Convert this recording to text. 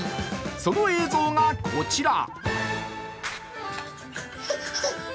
その映像がこちら。